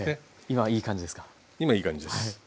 今いい感じです。